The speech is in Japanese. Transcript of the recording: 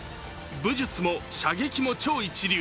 武術も射撃も超一流。